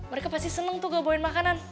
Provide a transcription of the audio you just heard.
mereka pasti seneng tuh gue bawain makanan